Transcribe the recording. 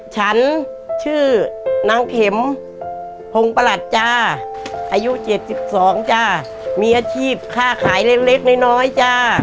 ฉันชื่อนางเข็มพงประหลัดจ้าอายุ๗๒จ้ามีอาชีพค่าขายเล็กน้อยจ้า